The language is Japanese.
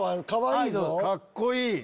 かわいい！